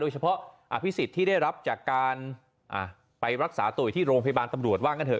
เฉพาะอภิษฎที่ได้รับจากการไปรักษาตัวอยู่ที่โรงพยาบาลตำรวจว่างั้นเถ